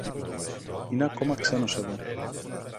Είναι ακόμα ξένος εδώ